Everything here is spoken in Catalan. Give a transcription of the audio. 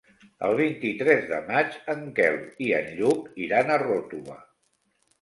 El vint-i-tres de maig en Quel i en Lluc iran a Ròtova.